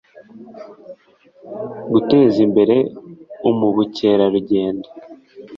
guteza imbere umubukerarugendo